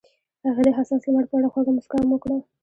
هغې د حساس لمر په اړه خوږه موسکا هم وکړه.